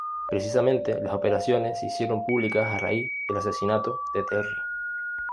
Precisamente las operaciones se hicieron públicas a raíz del asesinato de Terry.